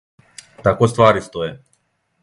Тако ствари стоје.